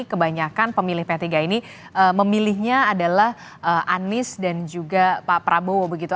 kebanyakan pemilih p tiga ini memilihnya adalah anies dan juga pak prabowo begitu